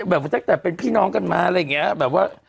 แบบแต่เป็นพี่น้องกันมาอะไรอย่างนี้